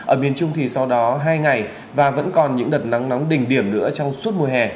ở miền trung thì sau đó hai ngày và vẫn còn những đợt nắng nóng đỉnh điểm nữa trong suốt mùa hè